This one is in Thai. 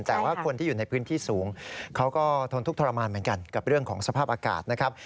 แต่ว่าคนที่อยู่ในพื้นที่สูงเขาก็ทนทุกข์ทรมานเหมือนกันกับเรื่องของสภาพอากาศนะครับ